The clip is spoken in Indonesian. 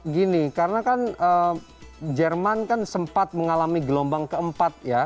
gini karena kan jerman kan sempat mengalami gelombang keempat ya